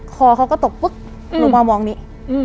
คอเขาก็ตกปุ๊บหนูมามองนี้